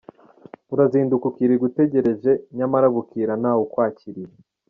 Urazinduka ukirirwa utegereje, nyamara bukira ntawe ukwakiriye.